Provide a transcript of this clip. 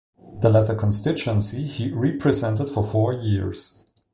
The latter constituency he represented for four years.